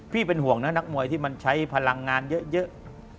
เป็นห่วงนะนักมวยที่มันใช้พลังงานเยอะ